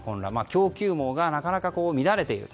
供給網がなかなか乱れている。